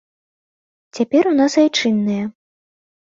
Цяпер у нас айчынныя.